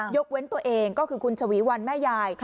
เว้นตัวเองก็คือคุณชวีวันแม่ยาย